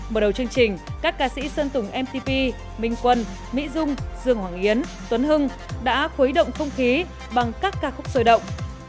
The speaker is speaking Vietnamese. mở đầu chương trình các ca sĩ sơn tùng mtp minh quân mỹ dung dương hoàng yến tuấn hưng đã khuấy động không khí bằng các ca khúc sôi động